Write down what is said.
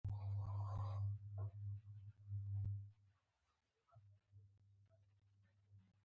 د امیر دوست محمد خان تر مړینې وروسته امیر شیر علی خان واکمن شو.